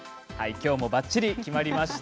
きょうもばっちり決まりました。